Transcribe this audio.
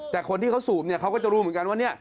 แต่คนที่เขาสูบเนี่ยเขาก็จะรู้เหมือนกันว่าเนี่ย